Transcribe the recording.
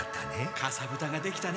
「かさぶたができたね。